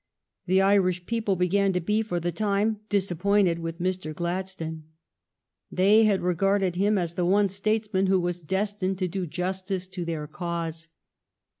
The Irish people began to be, for the time, disappointed with Mr. Gladstone. They had regarded him as the one statesman who was des tined to do justice to their cause.